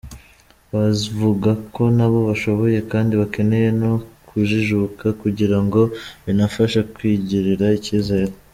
Bavuga ko nabo bashoboye kandi bakeneye no kujijuka kugirango binabafashe kwigirira icyizere.